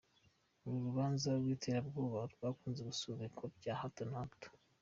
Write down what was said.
Uru rubanza rw'iterabwoba rwakunze gusubikwa bya hato na hato.